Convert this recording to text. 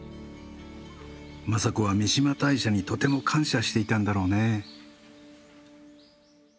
政子は三嶋大社にとても感謝していたんだろうね。